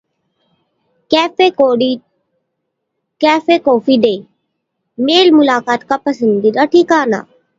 cafe coffee day मेल-मुलाकात का पसंदीदा ठिकाना